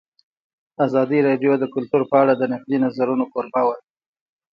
ازادي راډیو د کلتور په اړه د نقدي نظرونو کوربه وه.